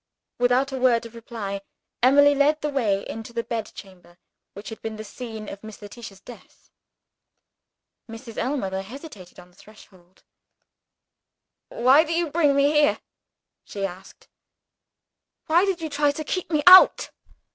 Without a word of reply, Emily led the way into the bedchamber which had been the scene of Miss Letitia's death. Mrs. Ellmother hesitated on the threshold. "Why do you bring me in here?" she asked. "Why did you try to keep me out?"